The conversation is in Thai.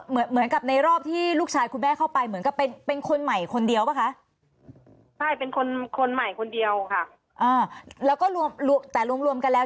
มีค่ะมีรุ่นที่เขาเรียนอยู่ก่อนแล้ว